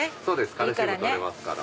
カルシウム取れますから。